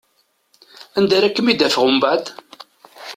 Anda ara kem-id-afeɣ umbeɛd?